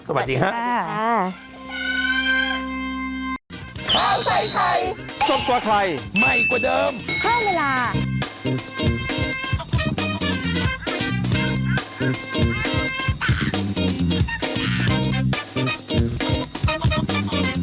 สวัสดีค่ะ